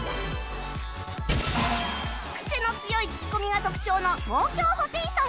クセの強いツッコミが特徴の東京ホテイソン